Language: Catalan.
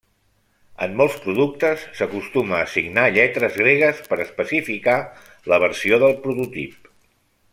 En molts productes s'acostuma a assignar lletres gregues per especificar la versió del prototip.